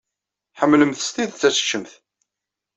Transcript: Tḥemmlemt s tidet ad teccemt.